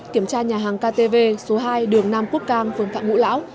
kiểm tra nhà hàng ktv số hai đường nam quốc cang phường phạm ngũ lão